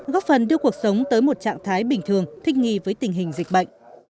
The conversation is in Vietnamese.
góp phần đưa cuộc sống tới một trạng thái bình thường thích nghi với tình hình dịch bệnh